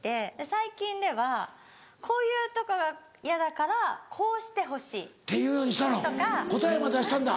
最近では「こういうとこが嫌だからこうしてほしい」。って言うようにしたの？答えまで出したんだ。